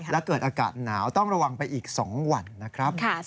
และเกิดอากาศหนาวต้องระวังไปอีก๒วันนะครับ